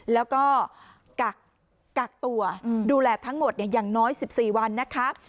แล้วก็กักตัวดูแลทั้งหมดอย่างน้อย๑๔วันนะคะ